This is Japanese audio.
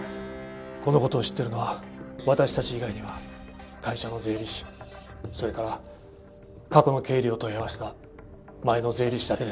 この事を知ってるのは私たち以外には会社の税理士それから過去の経理を問い合わせた前の税理士だけです。